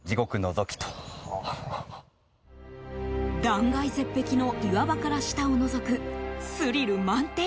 断崖絶壁の岩場から下をのぞくスリル満点